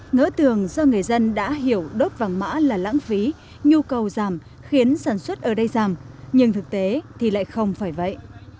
ngỡ tường do người dân đã hiểu đốt vàng mã là lãng phí nhu cầu giảm khiến sản xuất ở đây giảm nhưng thực tế thì lại không phải vậy